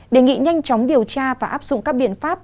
đề nghị nhanh chóng điều tra và áp dụng các biện pháp